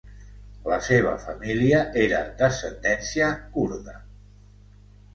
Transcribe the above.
La seva família era d'ascendència kurda.